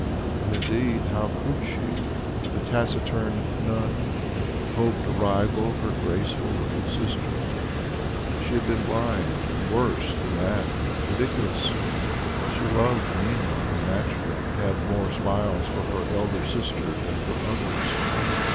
And indeed how could she, the taciturn "nun," hope to rival her graceful little sister? She had been blind, and worse than that ridiculous. He loved Nina, and naturally had more smiles for her elder sister than for others.